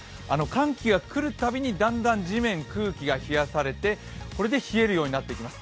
寒気が来るたびにだんだん地面、空気が冷やされてこれで冷えるようになってきます。